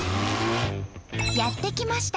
やって来ました！